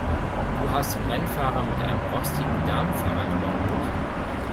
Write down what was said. Du hast den Rennfahrer mit einem rostigen Damenfahrrad überholt?